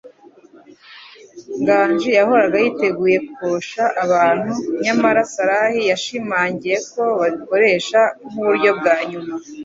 Nganji yahoraga yiteguye kwosha abantu, nyamara Sarah yashimangiye ko babikoresha nkuburyo bwa nyuma.